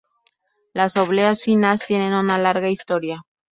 Las obleas finas tienen una larga historia.